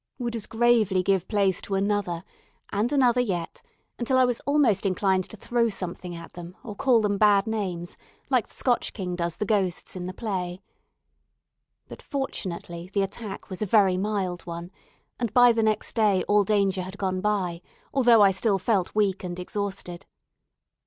would as gravely give place to another and another yet, until I was almost inclined to throw something at them, or call them bad names, like the Scotch king does the ghosts in the play.[A] But, fortunately, the attack was a very mild one, and by the next day all danger had gone by, although I still felt weak and exhausted.